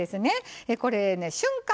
これね瞬間